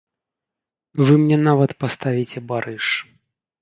Вы мне нават паставіце барыш.